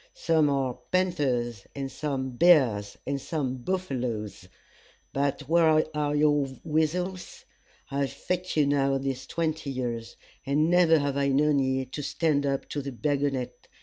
Some are panthers, and some bears, and some buffaloes; but where are your weasels? I have fit you now these twenty years, and never have I known ye to stand up to the baggonet.